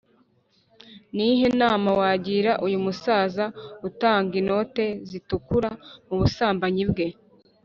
ni iyihe nama wagira uyu musaza utanga inote zitukura mu busambanyi bwe?